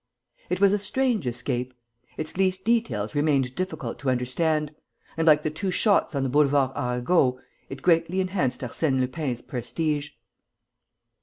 It was a strange escape. Its least details remained difficult to understand; and, like the two shots on the Boulevard Arago, it greatly enhanced Arsène Lupin's prestige.